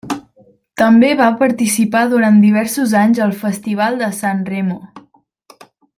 També va participar durant diversos anys al Festival de San Remo.